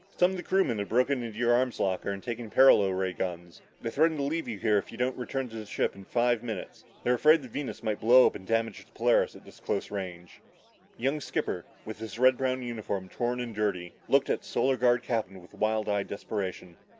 Some of the crewmen have broken into your arms locker and taken paralo ray guns. They threaten to leave you here if you don't return to the ship within five minutes. They're afraid the Venus might blow up and damage the Polaris at this close range." The young skipper, his red brown uniform torn and dirty, looked at the Solar Guard captain with wild eyed desperation.